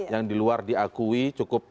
yang di luar diakui cukup